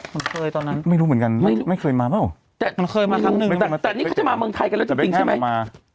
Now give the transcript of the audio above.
มันเคยตอนนั้นไม่รู้เหมือนกันไม่ไม่เคยมาเปล่าแต่มันเคยมาครั้งหนึ่งแต่นี่เขาจะมาเมืองไทยกันแล้วจริงจริงใช่ไหมมา